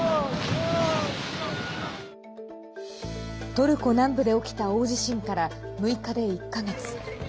トルコ南部で起きた大地震から６日で１か月。